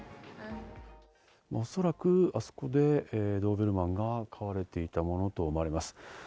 おそらく、あそこでドーベルマンが飼われていたものと思われます。